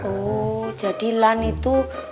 oh jadi lans itu